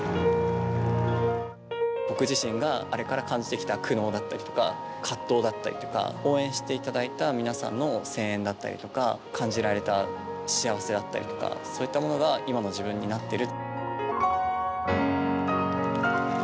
僕自身が、あれから感じてきた苦悩だったりとか、葛藤だったりとか、応援していただいた皆さんの声援だったりとか、感じられた幸せだったりとか、そういったものが今の自分になってる。